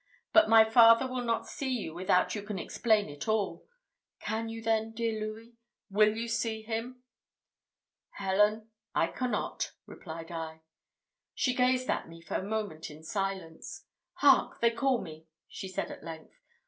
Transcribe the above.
But my father will not see you without you can explain it all. Can you then, dear Louis will you see him?" "Helen, I cannot," replied I. She gazed at me for a moment in silence. "Hark! they call me," said she at length.